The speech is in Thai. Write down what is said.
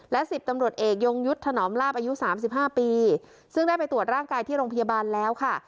และ๑๐ตำรวจเอกยงยุทธ์ถนอมลาบอายุสามสิบห้าปีซึ่งได้ไปตรวจร่างกายที่โรงพยาบาลแล้วค่ะ